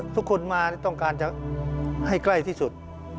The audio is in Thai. ทุกคนมาต้องการจะให้ใกล้ที่สุด